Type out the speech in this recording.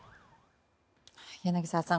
柳澤さん